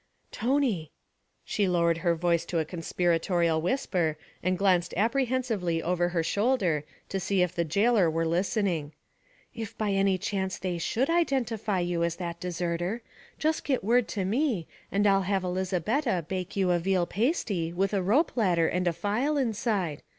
'Tony!' She lowered her voice to a conspiratorial whisper and glanced apprehensively over her shoulder to see if the jailor were listening. 'If by any chance they should identify you as that deserter, just get word to me and I will have Elizabetta bake you a veal pasty with a rope ladder and a file inside.